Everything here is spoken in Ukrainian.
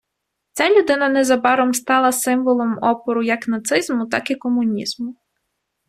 Ця людина незабаром стала символом опору як нацизму, так і комунізму.